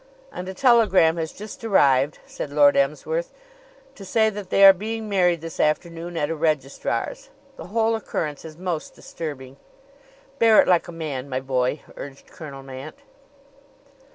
"And a telegram has just arrived," said Lord Emsworth, "to say that they are being married this afternoon at a registrar's. The whole occurrence is most disturbing." "Bear it like a man, my boy!" urged Colonel Mant.